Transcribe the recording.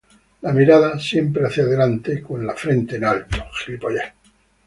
La mirada, siempre hacia adelante, con la frente en alto.